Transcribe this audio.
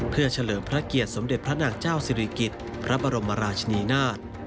เพื่อเฉลิมพระเกียรติสมเด็จพระนางเจ้าศิริกิจพระบรมราชนีนาฏ